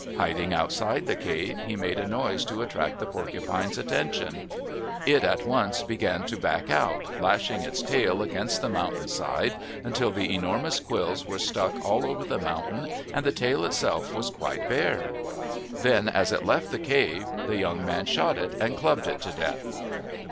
Hiding outside the cave, he made a noise to attract the porcupine's attention. It at once started to back out, lashing its tail against the moun tain side until the enormous quills were stuck all over the mountain and the tail itself was quite bare. in MYTHS AND LEGENDS Then as it left the cave, the young man shot it and clubbed it to death.